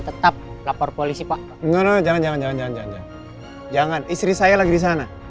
tetap lapor polisi pak jangan jangan jangan jangan jangan jangan istri saya lagi di sana